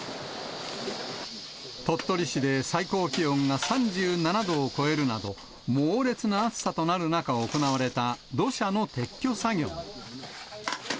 鳥取市で最高気温が３７度を超えるなど、猛烈な暑さとなる中、行われた土砂の撤去作業。